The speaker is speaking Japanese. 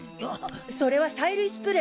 それは催涙スプレー！？